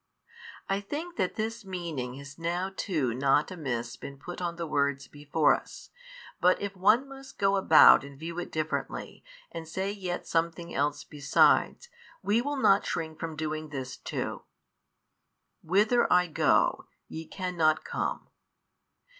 I think that this meaning has now too not amiss been put on the words before us, but if one must go about and view it differently, and say yet something else besides, we will not shrink from doing this too. Whither I go, YE cannot come.